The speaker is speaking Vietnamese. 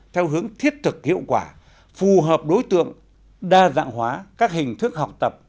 theo hướng thiết thực hiệu quả phù hợp đối tượng đa dạng hóa các hình thức học tập